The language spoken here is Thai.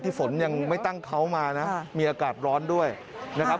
ฝนยังไม่ตั้งเขามานะมีอากาศร้อนด้วยนะครับ